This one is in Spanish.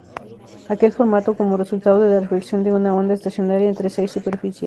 Aquel formado como resultado de la reflexión de una onda estacionaria entre seis superficies.